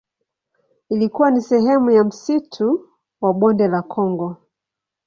Ilikuwa ni sehemu ya msitu wa Bonde la Kongo.